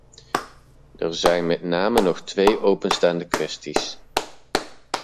Er zijn met name nog twee openstaande kwesties.